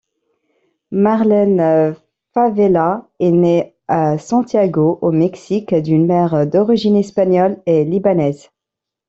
Marlene Favela est née à Santiago au Mexique, d'une mère d'origine espagnole et libanaise.